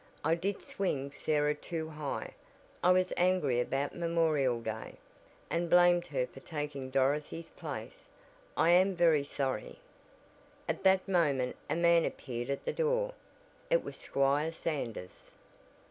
I did swing Sarah too high, I was angry about Memorial Day, and blamed her for taking Dorothy's place. I am very sorry." At that moment a man appeared at the door. It was Squire Sanders!